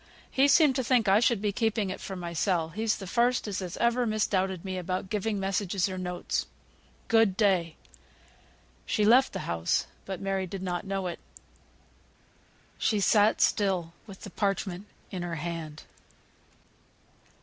He seemed to think I should be keeping it for mysel; he's th' first as has ever misdoubted me about giving messages, or notes. Good day." She left the house, but Mary did not know it. She sat still with the parchment in her hand.